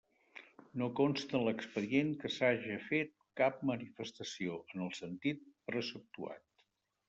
No consta en l'expedient que s'haja fet cap manifestació en el sentit preceptuat.